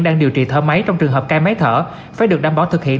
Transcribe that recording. đang điều trị thở máy trong trường hợp cai máy thở phải được đảm bảo thực hiện